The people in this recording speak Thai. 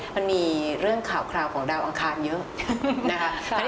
มันมีเรื่องข่าวคราวของดาวอังคารเยอะนะคะ